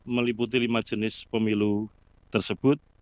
meliputi lima jenis pemilu tersebut